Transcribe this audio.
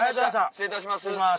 失礼いたします。